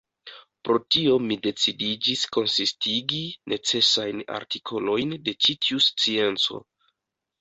Pro tio mi decidiĝis konsistigi necesajn artikolojn de ĉi tiu scienco.